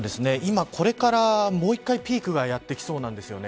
今、これからもう１回ピークがやってきそうなんです。